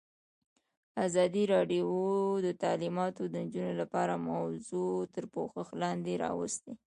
ازادي راډیو د تعلیمات د نجونو لپاره موضوع تر پوښښ لاندې راوستې.